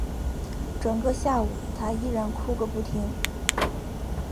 整个下午她依然哭个不停